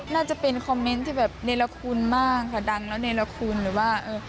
น่าจะเป็นคอมเมนต์ที่แบบเนรคุณมากค่ะดังแล้วเนรคุณหรือว่าเออ